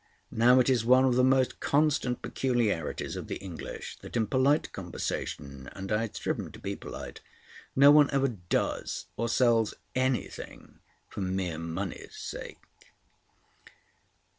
Now it is one of the most constant peculiarities of the English that in polite conversation—and I had striven to be polite—no one ever does or sells anything for mere money's sake.